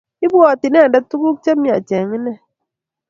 ibwoti inendet tukuk chemiach eng ine